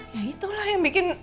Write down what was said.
ya itulah yang bikin